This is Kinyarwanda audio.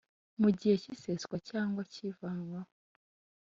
Mu gihe cy iseswa cyangwa cy ivanwaho